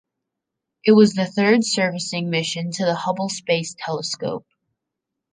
It was the third servicing mission to the Hubble Space Telescope.